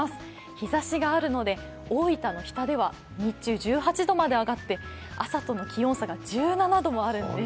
日ざしがあるので大分の日田では日中１８度まで上がって朝との気温差が１７度もあるんです。